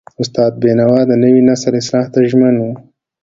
استاد بینوا د نوي نسل اصلاح ته ژمن و.